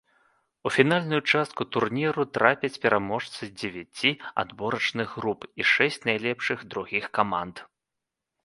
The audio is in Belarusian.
У фінальную частку турніру трапяць пераможцы дзевяці адборачных груп і шэсць найлепшых другіх каманд.